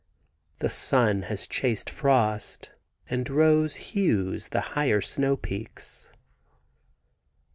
The sun has chased frost and rose hues the higher snow peaks.